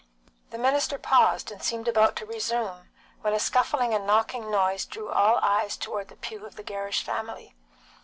The minister paused and seemed about to resume, when a scuffling and knocking noise drew all eyes toward the pew of the Gerrish family.